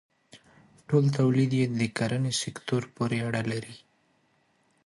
ټول تولید یې د کرنې سکتور پورې اړه لري.